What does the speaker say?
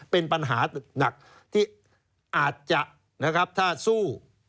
เป็นปัญหาหนักที่อาจจะนะครับถ้าสู้